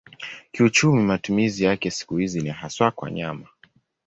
Kiuchumi matumizi yake siku hizi ni hasa kwa nyama.